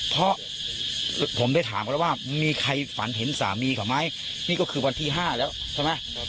เพราะผมได้ถามเขาแล้วว่ามีใครฝันเห็นสามีเขาไหมนี่ก็คือวันที่๕แล้วใช่ไหม